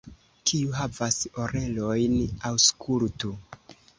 Kiu havas orelojn, aŭskultu!